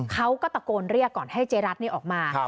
เขาก็ตะโกนเรียกก่อนให้เจ๊รัฐออกมา